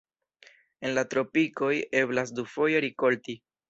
En la tropikoj eblas dufoje rikolti.